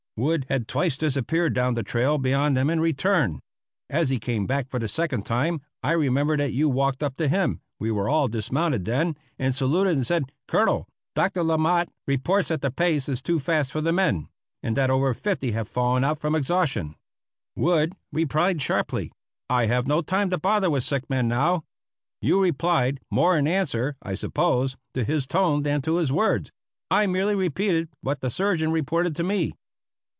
Wood had twice disappeared down the trail beyond them and returned. As he came back for the second time I remember that you walked up to him (we were all dismounted then), and saluted and said: "Colonel, Doctor La Motte reports that the pace is too fast for the men, and that over fifty have fallen out from exhaustion." Wood replied sharply: "I have no time to bother with sick men now." You replied, more in answer, I suppose, to his tone than to his words: "I merely repeated what the Surgeon reported to me."